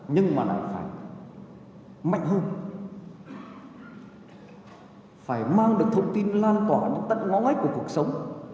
nhưng mà lại phải mạnh hơn phải mang được thông tin lan tỏa những tận ngõ ngách của cuộc sống